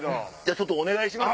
ちょっとお願いします。